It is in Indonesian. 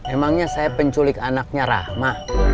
emangnya saya penculik anaknya rahma